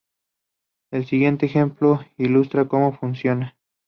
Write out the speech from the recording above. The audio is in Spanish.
El siguiente ejemplo ilustra como funciona.